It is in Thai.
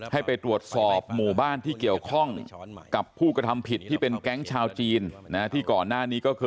ให้ไปตรวจสอบหมู่บ้านที่เกี่ยวข้องกับผู้กระทำผิดที่เป็นแก๊งชาวจีนที่ก่อนหน้านี้ก็คือ